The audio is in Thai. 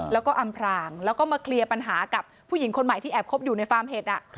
แล้วก็อำพรางแล้วก็มาเคลียร์ปัญหากับผู้หญิงคนใหม่ที่แอบคบอยู่ในฟาร์มเห็ด